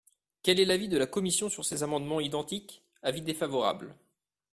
Quel est l’avis de la commission sur ces amendements identiques ? Avis défavorable.